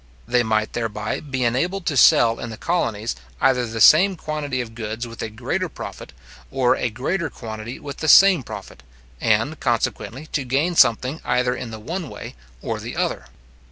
They might thereby be enabled to sell in the colonies, either the same quantity of goods with a greater profit, or a greater quantity with the same profit, and, consequently, to gain something either in the one way or the other.